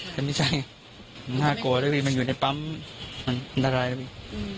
และไม่ใช่ค่ะาโก้แล้วครับมันอยู่ในปั๊มมันอันดรายแต่วี